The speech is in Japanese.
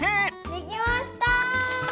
できました！